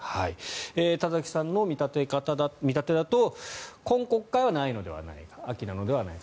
田崎さんの見立てだと今国会はないのではないか秋なのではないか。